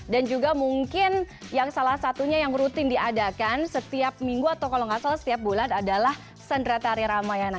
dan juga mungkin yang salah satunya yang rutin diadakan setiap minggu atau kalau nggak salah setiap bulan adalah sendera tari ramayana